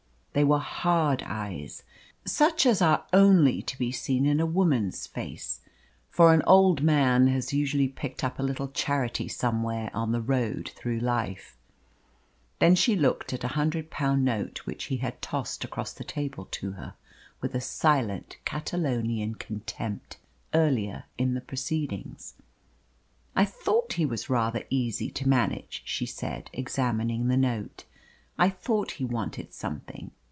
They were hard eyes, such as are only to be seen in a woman's face; for an old man has usually picked up a little charity somewhere on the road through life. Then she looked at a hundred pound note which he had tossed across the table to her with a silent Catalonian contempt earlier in the proceedings. "I thought he was rather easy to manage," she said, examining the note. "I thought he wanted something.